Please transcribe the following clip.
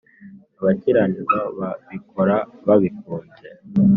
abakiranirwa babikora babikunze